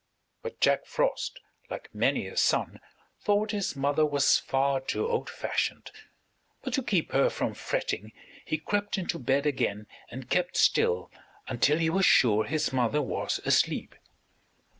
But Jack Frost, like many a son, thought his mother was far too old fashioned; but to keep her from fretting he crept into bed again and kept still until he was sure his mother was asleep.